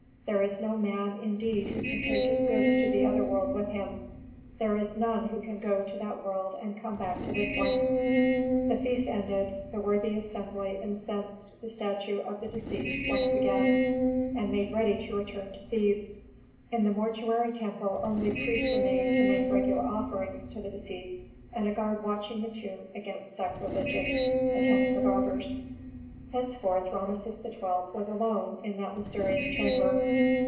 There is no man, indeed, who can take his goods to the other world with him; there is none who can go to that world and come back to this one." Authentic. The feast ended; the worthy assembly incensed the statue of the deceased once again and made ready to return to Thebes. In the mortuary temple only priests remained to make regular offerings to the deceased and a guard watching the tomb against sacrilegious attempts of robbers. Thenceforth Rameses XII. was alone in that mysterious chamber.